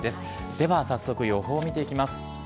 では、早速、予報を見ていきます。